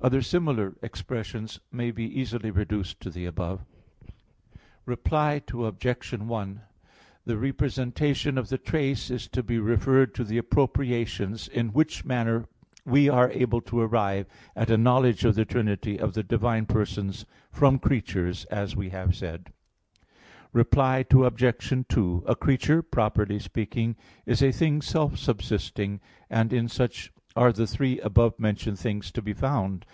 Other similar expressions may be easily reduced to the above. Reply Obj. 1: The representation of the trace is to be referred to the appropriations: in which manner we are able to arrive at a knowledge of the trinity of the divine persons from creatures, as we have said (Q. 32, A. 1). Reply Obj. 2: A creature properly speaking is a thing self subsisting; and in such are the three above mentioned things to be found.